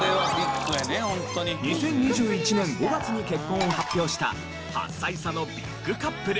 ２０２１年５月に結婚を発表した８歳差のビッグカップル。